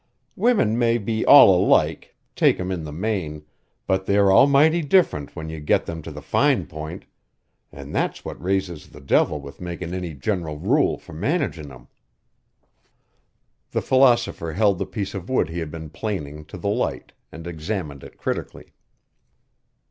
Women may be all alike, take 'em in the main, but they're almighty different when you get 'em to the fine point, an' that's what raises the devil with makin' any general rule for managin' 'em." The philosopher held the piece of wood he had been planing to the light and examined it critically.